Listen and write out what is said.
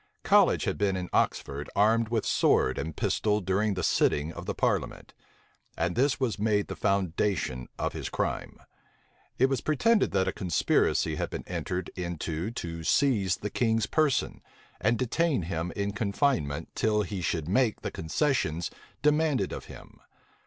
College had been in Oxford armed with sword and pistol during the sitting of the parliament; and this was made the foundation of his crime. It was pretended that a conspiracy had been entered into to seize the king's person, and detain him in confinement, till he should make the concessions demanded of him.